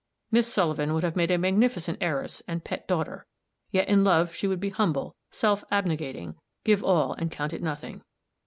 Miss Sullivan would have made a magnificent heiress and pet daughter; yet in love she would be humble, self abnegating give all and count it nothing.